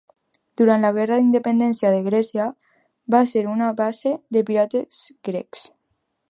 Durant la Guerra d'independència de Grècia va ser una base de pirates grecs.